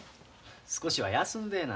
少しは休んでえな。